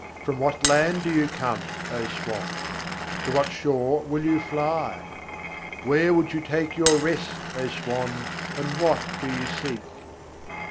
From what land do you come, O Swan? to what shore will you fly? Where would you take your rest, O Swan, and what do you seek?